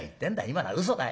今のはうそだよ。